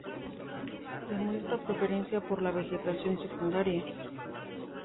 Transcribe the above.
Demuestra preferencia por la vegetación secundaria.